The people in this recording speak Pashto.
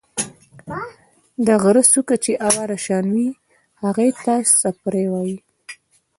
د غرۀ څُوكه چې اواره شان وي هغې ته څپرے وائي۔